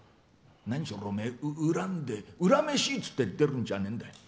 何しろおめえ、恨んで恨めしいって言って出るんじゃねえんだよ。